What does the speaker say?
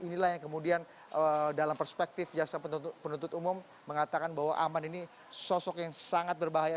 inilah yang kemudian dalam perspektif jaksa penuntut umum mengatakan bahwa aman ini sosok yang sangat berbahaya